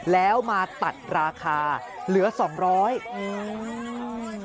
แล้วมาตัดราคาเหลือ๒๐๐บาท